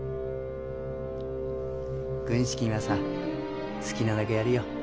軍資金はさ好きなだけやるよ。